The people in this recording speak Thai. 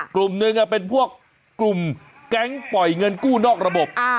กลุ่มหนึ่งเป็นพวกกลุ่มแก๊งปล่อยเงินกู้นอกระบบ